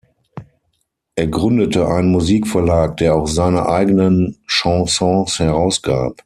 Er gründete einen Musikverlag, der auch seine eigenen Chansons herausgab.